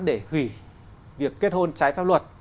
để hủy việc kết hôn trái pháp luật